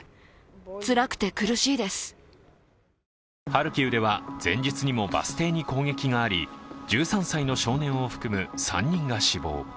ハルキウでは前日にもバス停に攻撃があり１３歳の少年を含む３人が死亡。